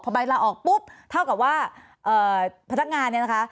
พอใบลาออกปุ๊บเท่ากับว่าพนักงานเนี่ยนะคะ